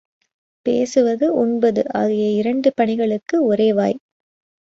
பேசுவது, உண்பது ஆகிய இரண்டு பணிகளுக்கு ஒரே வாய்.